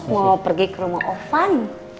mau pergi ke rumah offan